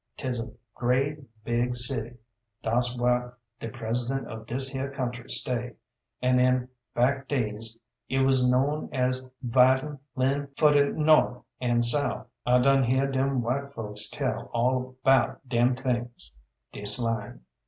'Tis a grade big city, daus whar de President of dis here country stay; an' in bac' days it wuz known as 'vidin' lin' fer de North an' South. I done hear dem white folks tell all 'bout dem things dis line.